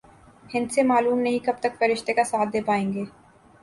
ہندسے معلوم نہیں کب تک فرشتے کا ساتھ دے پائیں گے۔